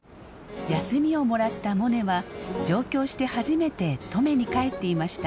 休みをもらったモネは上京して初めて登米に帰っていました。